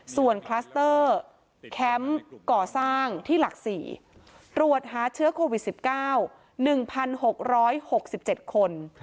ส่วนคลัสเตอร์แคมป์ก่อสร้างที่หลัก๔ตรวจหาเชื้อโควิด๑๙๑๖๖๗คน